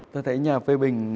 tôi thấy nhà phê bình